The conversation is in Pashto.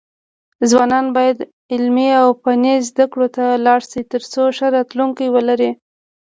ځوانان بايد علمي او فني زده کړو ته لاړ شي، ترڅو ښه راتلونکی ولري.